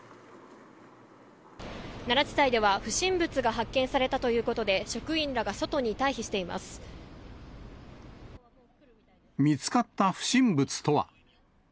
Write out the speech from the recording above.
奈良地裁では、不審物が発見されたということで、見つかった不審物とは。